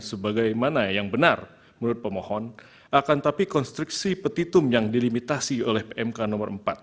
sebagaimana yang benar menurut pemohon akan tapi konstruksi petitum yang dilimitasi oleh pmk nomor empat